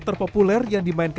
rule b yang buruk